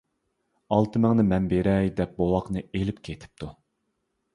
ئالتە مىڭنى مەن بېرەي دەپ بوۋاقنى ئېلىپ كېتىپتۇ.